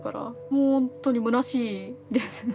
もうほんとにむなしいですね。